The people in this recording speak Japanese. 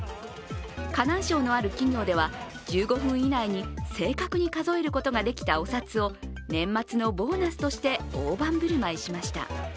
河南省のある企業では１５分以内に正確に数えることができたお札を年末のボーナスとして大盤振る舞いしました。